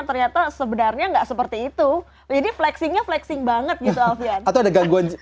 ternyata sebenarnya nggak seperti itu ini flexingnya flexing banget gitu alfian itu ada gangguan